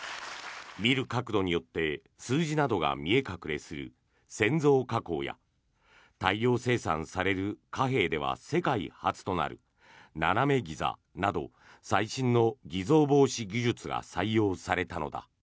見る角度によって数字などが見え隠れする潜像加工や大量生産させる貨幣では世界初となる斜めギザなど最新の偽造防止技術が採用されたのだ。